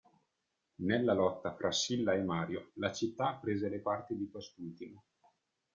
Nella lotta fra Silla e Mario, la città prese le parti di quest'ultimo.